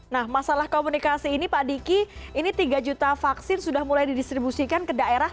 nah masalah komunikasi ini pak diki ini tiga juta vaksin sudah mulai didistribusikan ke daerah